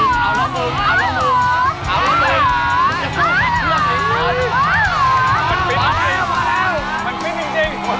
เอาหัวหมุนถ้าพร้อมแล้วไปครับโฟน